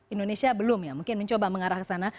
indonesia belum ya mungkin mencoba mengarah ke sana